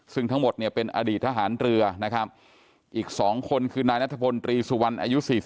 ซึ่งทั้งหมดเนี่ยเป็นอดีตทหารเรือนะครับอีก๒คนคือนายนัทพลตรีสุวรรณอายุ๔๒